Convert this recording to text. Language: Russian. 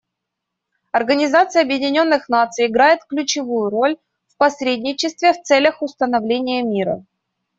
Организация Объединенных Наций играет ключевую роль в посредничестве в целях установления мира.